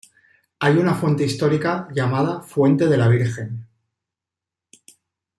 Hay una fuente histórica llamada Fuente de la Virgen.